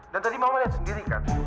dan tadi mama liat sendiri kan